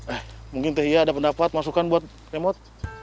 eh mungkin teh iya ada pendapat masukan buat ke mod